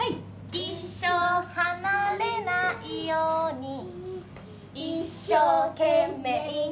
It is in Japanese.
「一生離れないように」「一生懸命に」